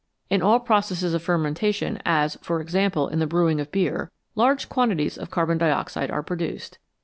In all pro cesses of fermentation, as, for example, in the brewing of beer, large quantities of carbon dioxide are produced.